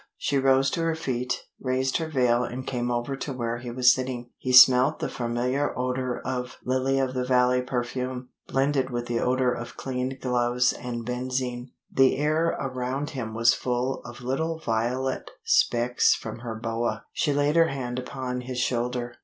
She rose to her feet, raised her veil and came over to where he was sitting. He smelt the familiar odor of "Lily of the Valley" perfume, blended with the odor of cleaned gloves and benzine. The air around him was full of little violet specks from her boa. She laid her hand upon his shoulder.